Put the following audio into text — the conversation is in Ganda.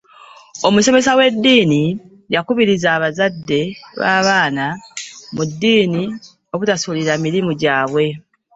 Omusomesa w'eddiina yakubirizza abazadde b'abaana mu ddini obutasuliirira mirimu gyabwe.